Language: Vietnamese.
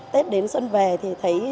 tết đến xuân về thì thấy